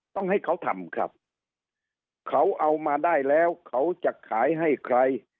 ต้องให้เขาทำครับเขาเอามาได้แล้วเขาจะขายให้ใคร